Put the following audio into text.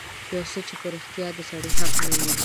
يو څه چې په رښتيا د سړي حق نه وي.